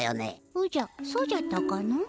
おじゃそうじゃったかの？